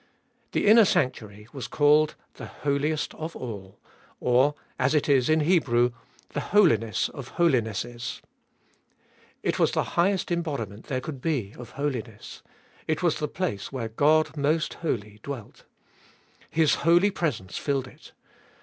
The inner sanctuary was called the Holiest of All, or, as it is in Hebrew, the Holiness of Holinesses. It was the highest em bodiment there could be of holiness ; it was the place where God Most Holy dwelt. His holy presence filled it.